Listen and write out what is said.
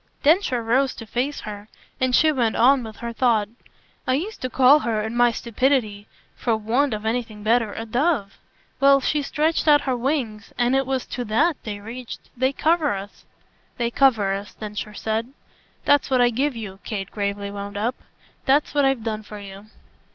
Densher rose to face her, and she went on with her thought. "I used to call her, in my stupidity for want of anything better a dove. Well she stretched out her wings, and it was to THAT they reached. They cover us." "They cover us," Densher said. "That's what I give you," Kate gravely wound up. "That's what I've done for you."